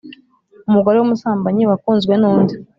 umugore w umusambanyi wakunzwe n undi